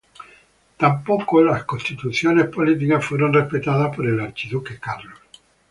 Tampoco las constituciones políticas fueron respetadas por el archiduque Carlos.